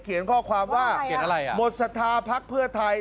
เขียนข้อความว่าหมดสถาพักเพื่อไทย